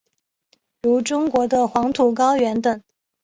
如中国的黄土高原等。